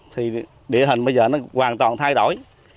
thì địa hình bây giờ nó hoàn toàn thay đổi